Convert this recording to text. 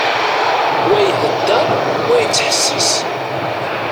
Wa ihedder, wa yettḥessis.